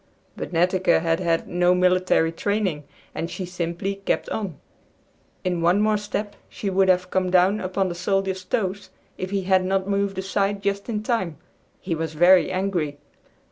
But Netteke had had no military training, and she simply kept on. In one more step she would have come down upon the soldier's toes, if he had not moved aside just in time. He was very angry.